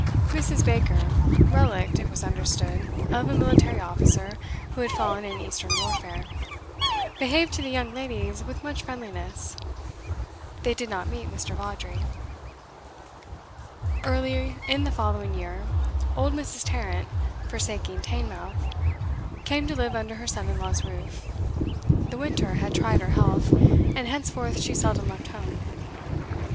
Mrs. Baker (relict, it was understood, of a military officer who had fallen in Eastern warfare) behaved to the young ladies with much friendliness. They did not meet Mr. Vawdrey. Early in the following year, old Mrs. Tarrant, forsaking Teignmouth, came to live under her son in law's roof; the winter had tried her health, and henceforth she seldom left home.